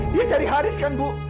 dia cari haris kan bu